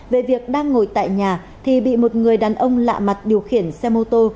về việc đang ngồi tại nhà thì bị một người đàn ông lạ mặt điều khiển xe mô tô